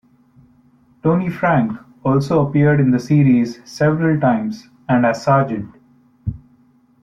Tony Franke also appeared in the series several times and as Sgt.